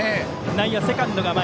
内野はセカンドが前。